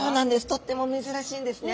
とっても珍しいんですね。